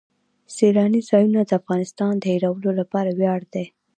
سیلانی ځایونه د افغانستان د هیوادوالو لپاره ویاړ دی.